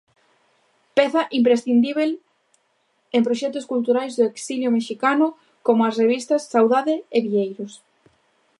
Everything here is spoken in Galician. Peza imprescindíbel en proxectos culturais do exilio mexicano como as revistas Saudade e Vieiros.